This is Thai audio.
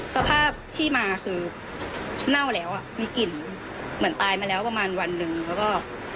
สภาพที่มาคือเน่าแล้วอ่ะมีกลิ่นเหมือนตายมาแล้วประมาณวันหนึ่งแล้วก็